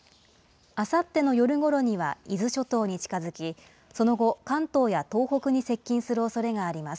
あさっての夜ごろには伊豆諸島に近づき、その後、関東や東北に接近するおそれがあります。